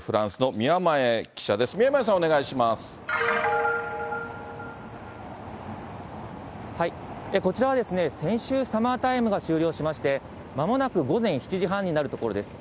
宮前さん、こちらは、先週、サマータイムが終了しまして、まもなく午前７時半になるところです。